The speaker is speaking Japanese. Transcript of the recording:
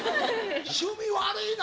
趣味悪いな！